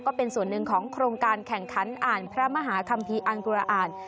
ก็เป็นส่วนหนึ่งของโครงการแข่งขันอ่านพระมหาคัมภีร์อังกุระอ่าน